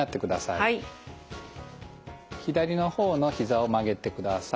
左の方のひざを曲げてください。